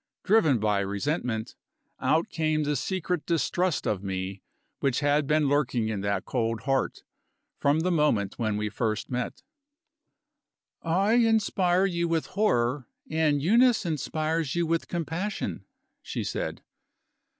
Driven by resentment, out came the secret distrust of me which had been lurking in that cold heart, from the moment when we first met. "I inspire you with horror, and Eunice inspires you with compassion," she said.